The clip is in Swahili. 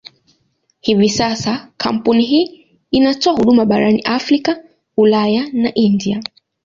Hivi sasa kampuni hii inatoa huduma barani Afrika, Ulaya na India.